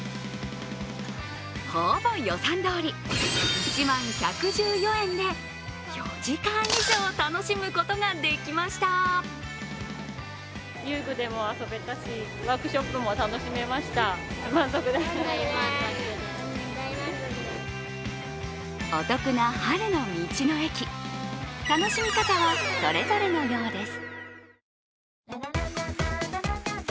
ほぼ予算どおり、１万１１４円で４時間以上楽しむことができましたお得な春の道の駅楽しみ方はそれぞれのようです。